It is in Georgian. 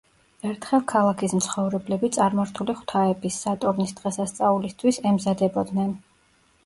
ერთხელ ქალაქის მცხოვრებლები წარმართული ღვთაების, სატურნის დღესასწაულისთვის ემზადებოდნენ.